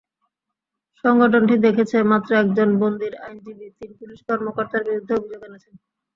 সংগঠনটি দেখেছে, মাত্র একজন বন্দীর আইনজীবী তিন পুলিশ কর্মকর্তার বিরুদ্ধে অভিযোগ এনেছেন।